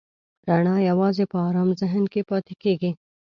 رڼا یواځې په آرام ذهن کې پاتې کېږي.